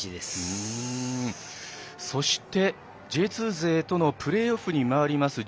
そしてＪ２勢とのプレーオフに回ります